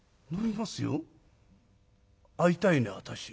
「会いたいね私。